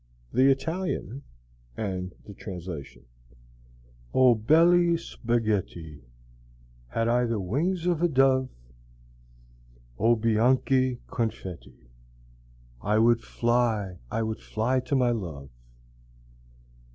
THE ITALIAN THE TRANSLATION O belli spaghetti, Had I the wings of a dove, O bianchi confetti. I would fly, I would fly to my love.